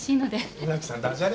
村木さんダジャレ。